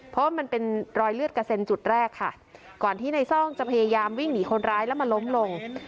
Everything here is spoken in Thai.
เพราะว่ามันเป็นรอยเลือดกระเซ็นจุดแรกค่ะก่อนที่ในซ่องจะพยายามวิ่งหนีคนร้ายแล้วมาล้มลง